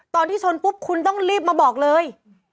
ตอนที่ชนปุ๊บคุณต้องรีบมาบอกเลย